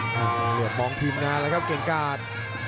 เหลือดมองทีมงานนะครับเกรงกราศ